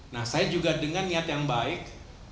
nah saya juga dengan niat yang baik